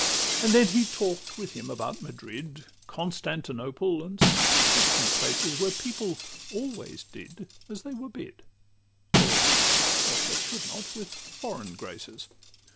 XXIII And then he talk'd with him about Madrid, Constantinople, and such distant places; Where people always did as they were bid, Or did what they should not with foreign graces.